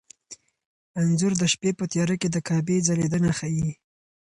انځور د شپې په تیاره کې د کعبې ځلېدنه ښيي.